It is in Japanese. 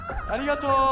ありがとう！